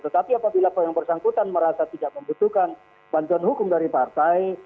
tetapi apabila yang bersangkutan merasa tidak membutuhkan bantuan hukum dari partai